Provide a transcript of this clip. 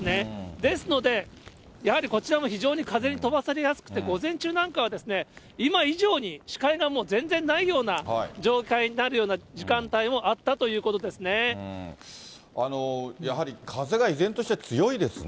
ですので、やはりこちらも非常に風に飛ばされやすくて、午前中なんかは今以上に、視界が全然ないような状態になるような時間帯もあったということやはり風が依然として強いですね。